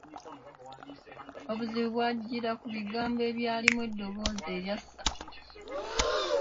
Obuzibu bw’ajjira ku bigambo ebyalimu eddoboozi erya ssa.